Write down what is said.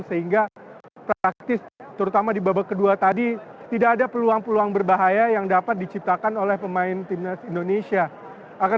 sehingga praktis terutama di babak kedua tadi tidak ada peluang peluang berbahaya yang dapat diciptakan oleh pemain timnas indonesia